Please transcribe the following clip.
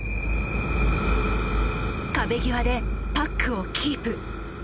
壁際でパックをキープ。